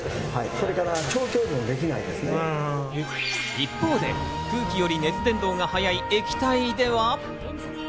一方で空気より熱伝導が早い液体では。